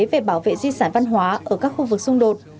về bảo vệ di sản văn hóa ở các khu vực xung đột